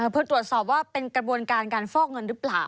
เพื่อตรวจสอบว่าเป็นกระบวนการการฟอกเงินหรือเปล่า